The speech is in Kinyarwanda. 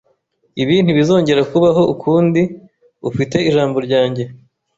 Ibi ntibizongera kubaho ukundi. Ufite ijambo ryanjye